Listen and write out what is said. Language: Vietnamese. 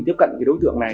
tiếp cận cái đối tượng này